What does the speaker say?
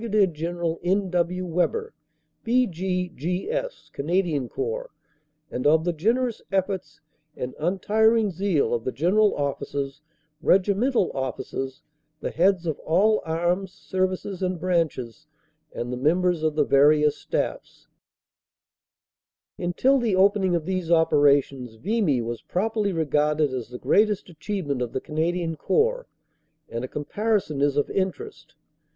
General N. W. Webber, B.G.G.S., Canadian Corps, and of the generous efforts and untiring zeal of the General Officers, Regimental Officers, the heads of all Arms, Services and Branches, and the members of the various Staffs." 27 402 CANADA S HUNDRED DAYS Until the opening of these operations, Vimy was properly regarded as the greatest achievement of the Canadian Corps, and a comparison is of interest.